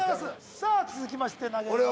さあ続きまして投げるのは。